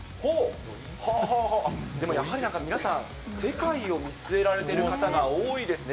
でもやはり、なんか皆さん、世界を見据えられてる方が多いですね。